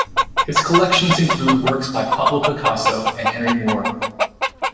His collection includes works by Pablo Picasso and Henry Moore.